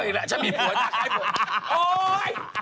อ้าวอีกแล้วฉันมีผัวหน้าคล้ายผัว